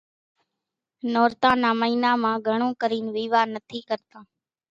نورتان نا مئينا مان گھڻون ڪرين ويوا نٿي ڪرتان۔